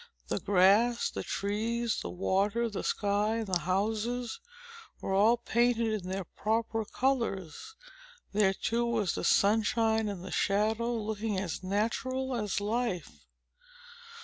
The grass, the trees, the water, the sky, and the houses, were all painted in their proper colors. There, too, was the sunshine and the shadow, looking as natural as life.